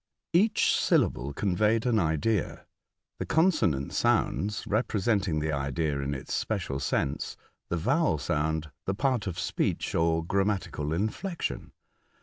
Each syllable conveyed an idea, the consonant sounds representing the idea in its special sense, the vowel sound the part of speech or grammatical inflection.